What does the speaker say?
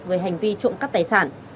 với hành vi trộm cắp tài sản